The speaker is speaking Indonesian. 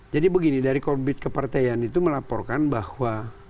jadi begini dari korbit kepertayaan itu melaporkan bahwa